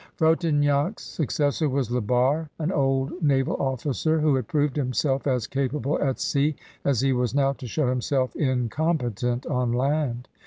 Frontenac*s successor was La Barre, an old naval officer who had proved himself as capable at sea as he was now to show himself incompetent on land.